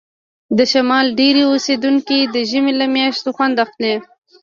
د شمال ډیری اوسیدونکي د ژمي له میاشتو خوند اخلي